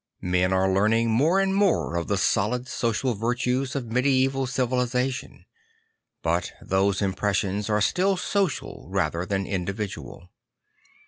Men are learning more and more of the solid social virtues of medieval civilisation; but those impressions are still social rather than individual.